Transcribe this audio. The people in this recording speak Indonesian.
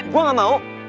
gue gak mau